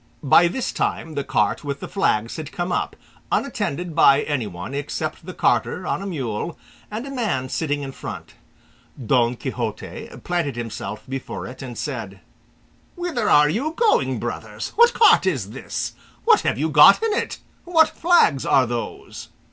By this time the cart with the flags had come up, unattended by anyone except the carter on a mule, and a man sitting in front. Don Quixote planted himself before it and said, "Whither are you going, brothers? What cart is this? What have you got in it? What flags are those?"